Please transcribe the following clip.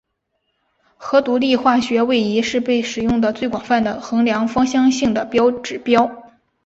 核独立化学位移是被使用得最广泛的衡量芳香性的指标。